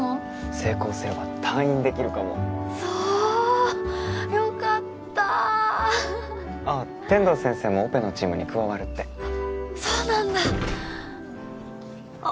成功すれば退院できるかもそうよかった天堂先生もオペのチームに加わるってあっそうなんだあっ